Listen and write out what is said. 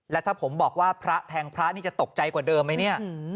แล้วถ้าผมบอกว่าพระแทงพระนี่จะตกใจกว่าเดิมไหมเนี่ย